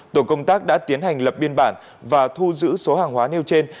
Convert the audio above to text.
tổ công tác đã tiến hành lập biên bản và thu giữ số hàng hóa nêu trên